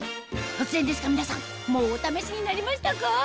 突然ですが皆さんもうお試しになりましたか？